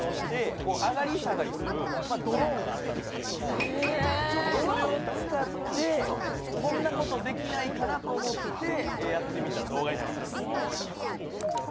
ドローンがあったのでちょっとそれを使ってこんなことできないかなと思ってやってみた動画になります。